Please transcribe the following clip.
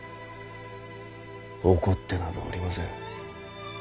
怒ってなどおりません。